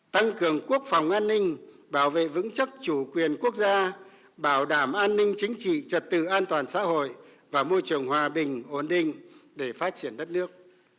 tăng cường quốc phòng an ninh bảo vệ vững chắc chủ quyền quốc gia bảo đảm an ninh chính trị trật tự an toàn xã hội và môi trường hòa bình ổn định để phát triển đất nước